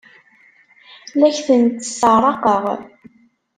La ak-tent-sseɛraqeɣ?